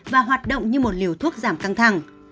và hoạt động như một liều thuốc giảm căng thẳng